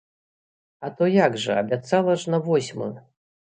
А то як жа, абяцала ж на восьмую!